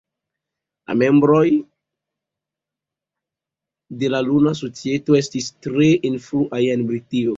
La membroj de la Luna Societo estis tre influaj en Britio.